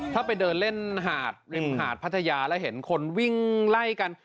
ถ้าไปเดินเล่นหาดริมหาดพัทยาแล้วเห็นคนวิ่งไล่กัน